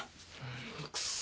くそ。